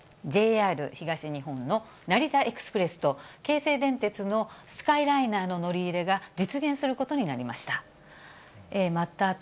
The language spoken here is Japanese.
ＪＲ東日本の成田エクスプレスと、京成電鉄のスカイライナーの乗り入れが実現することになりました。